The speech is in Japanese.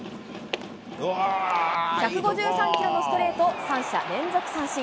１５３キロのストレート、三者連続三振。